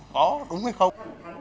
có đúng hay không